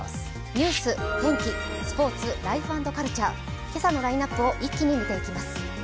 ニュース、天気、スポーツ、ライフ＆カルチャー、今朝のラインナップを一気に見ていきます。